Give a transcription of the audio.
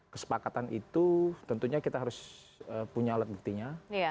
kesepakatan itu tentunya kita harus punya alat buktinya